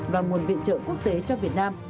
và nguồn viện trợ quốc tế cho việt nam